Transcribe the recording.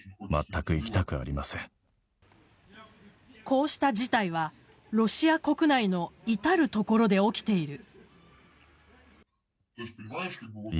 こうした事態はロシア国内の至る所で起きている。